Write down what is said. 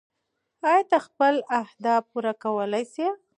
ایا ته خپل اهداف پوره کولی شې؟